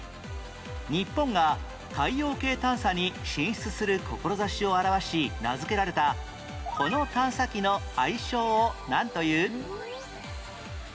日本が太陽系探査に進出する志を表し名付けられたこの探査機の愛称をなんという？